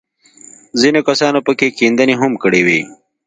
ځينو کسانو پکښې کيندنې هم کړې وې.